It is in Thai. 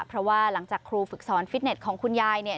เพราะว่าหลังจากครูฝึกสอนฟิตเน็ตของคุณยายเนี่ย